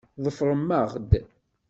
Ḍefṛem-aɣ-d!